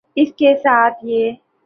اس کے ساتھ یہ